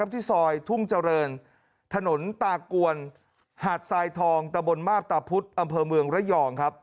ที่ซอยทุ่งเจริญถนนตากวนหาดทรายทองตะบนมาบตาพุธอำเภอเมืองระยอง